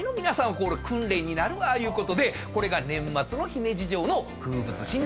これ訓練になるわいうことでこれが年末の姫路城の風物詩になってるわけなんですね。